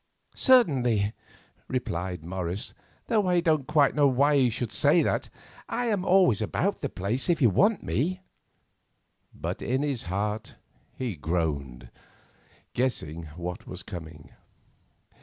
"Certainly," replied Morris, "though I don't quite know why you should say that. I am always about the place if you want me." But in his heart he groaned, guessing what was coming.